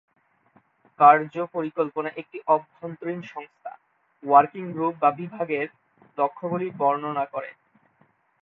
কার্য পরিকল্পনা একটি অভ্যন্তরীণ সংস্থা, ওয়ার্কিং গ্রুপ বা বিভাগের লক্ষ্যগুলি বর্ণনা করে।